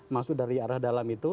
masuk dari arah dalam itu